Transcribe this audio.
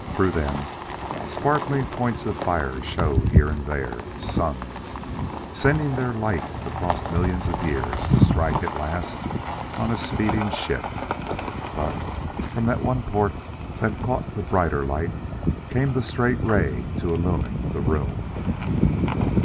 Through them, sparkling points of fire showed here and there suns, sending their light across millions of years to strike at last on a speeding ship. But, from the one port that caught the brighter light, came that straight ray to illumine the room.